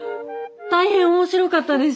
大変面白かったです。